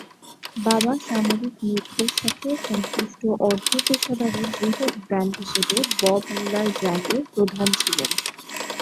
বাবা সামরিক নৃত্যের সাথে সংশ্লিষ্ট অর্ধ-পেশাদারী বৃহৎ ব্যান্ড হিসেবে বব মিলার ব্যান্ডের প্রধান ছিলেন।